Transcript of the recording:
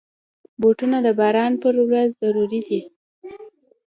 بوټونه د باران پر ورځ ضروري دي.